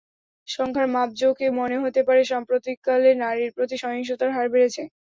সংখ্যার মাপজোকে মনে হতে পারে সাম্প্রতিককালে নারীর প্রতি সহিংসতার হার বেড়েছে।